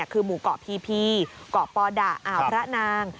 คือหมู่เกาะพีเกาะปอดะอ่าวพระนาง